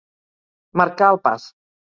Marcar el pas.